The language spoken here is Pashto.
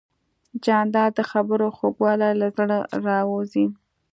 جانداد د خبرو خوږوالی له زړه راوزي.